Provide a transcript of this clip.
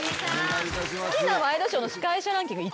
好きなワイドショーの司会者ランキング